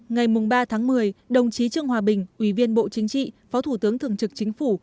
ngày ba tháng một mươi đồng chí trương hòa bình ủy viên bộ chính trị phó thủ tướng thường trực chính phủ